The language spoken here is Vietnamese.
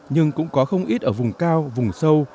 nhưng cũng có không ít ở vùng cao vùng sâu